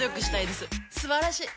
すばらしい！